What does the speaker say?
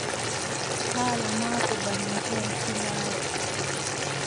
Haala maako bana ndiyam silaawo.